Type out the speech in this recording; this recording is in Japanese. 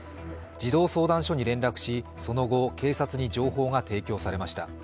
児童相談所に連絡し、その後、警察に情報が提供されました。